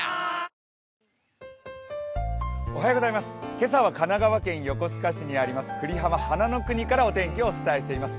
今朝は神奈川県横須賀市にありますくりはま花の国からお天気をお伝えしています。